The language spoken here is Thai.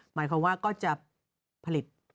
หมายความว่าก็จะผลิต